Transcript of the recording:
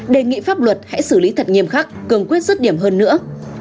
đề nghị pháp luật hãy xử lý thật nghiêm khắc cường quyết rứt điểm hơn nữa